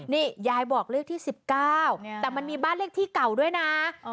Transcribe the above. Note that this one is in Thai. นี่ยายบอกเลขที่๑๙แต่มันมีบ้านเลขที่เก่าด้วยนะ